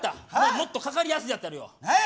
もっとかかりやすいやつやるよ。何や？